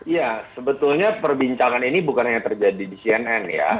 ya sebetulnya perbincangan ini bukan hanya terjadi di cnn ya